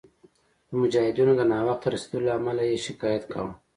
د مجاهدینو د ناوخته رسېدلو له امله یې شکایت کاوه.